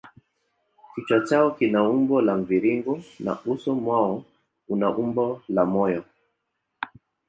Kichwa chao kina umbo la mviringo na uso mwao una umbo la moyo.